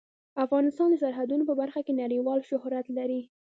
افغانستان د سرحدونه په برخه کې نړیوال شهرت لري.